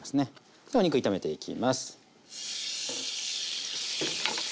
ではお肉炒めていきます。